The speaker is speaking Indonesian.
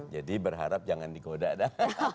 jadi berharap jangan digoda dah